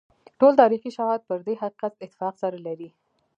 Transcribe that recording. ټول تاریخي شواهد پر دې حقیقت اتفاق سره لري.